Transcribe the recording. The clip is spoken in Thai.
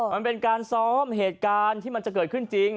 มันเป็นการซ้อมเหตุการณ์ที่มันจะเกิดขึ้นจริง